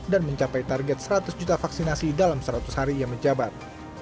dan mencapai target seratus juta vaksinasi dalam seratus hari ia menjabat